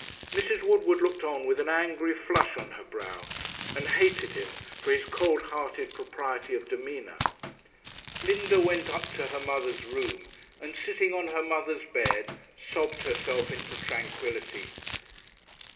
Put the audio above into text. Mrs. Woodward looked on with an angry flush on her brow, and hated him for his cold hearted propriety of demeanour. Linda went up to her mother's room, and, sitting on her mother's bed, sobbed herself into tranquillity.